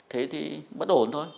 thế thì bất ổn thôi